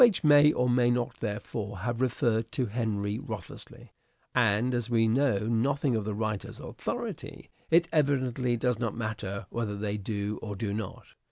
may or may not therefore, have referred to Henry Wriothesley ; and, as we know nothing of the writer's authority, it evidently does not matter whether they do or do not.